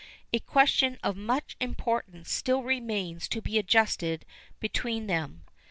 A question of much importance still remains to be adjusted between them.